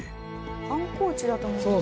観光地だと思ってた。